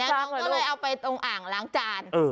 แล้วมันกองเราก็ไปอ่างล้างจาน